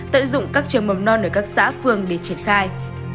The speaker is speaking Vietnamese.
tận dụng các trường mầm non ở các xã phường để triển khai